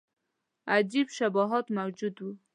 عجیب شباهت موجود وو.